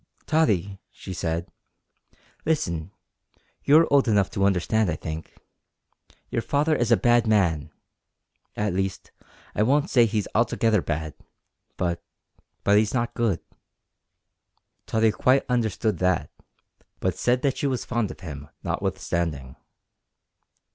"Tottie," she said, "listen you're old enough to understand, I think. Your father is a bad man at least, I won't say he's altogether bad, but but, he's not good." Tottie quite understood that, but said that she was fond of him notwithstanding.